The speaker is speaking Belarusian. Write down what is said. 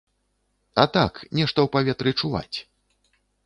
А так, нешта ў паветры чуваць.